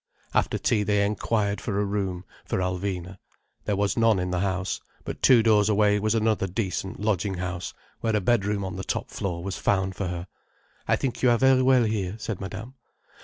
After tea they inquired for a room for Alvina. There was none in the house. But two doors away was another decent lodging house, where a bedroom on the top floor was found for her. "I think you are very well here," said Madame.